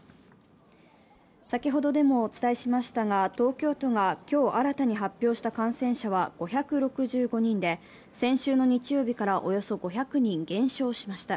先ほどもお伝えしましたが、東京都が今日新たに発表した感染者は５６５人で、先週の日曜日からおよそ５００人減少しました。